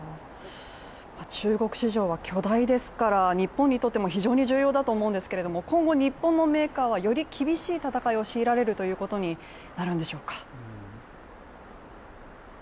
中国市場は巨大ですから、日本にとっても非常に重要だと思いますが今後、日本のメーカーはより厳しい戦いを強いられるということになるんでしょうか？